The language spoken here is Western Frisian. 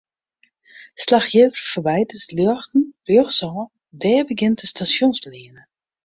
Slach hjir foarby de ljochten rjochtsôf, dêr begjint de Stasjonsleane.